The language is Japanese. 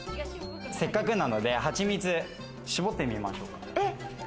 せっかくなのでハチミツ搾ってみましょうか。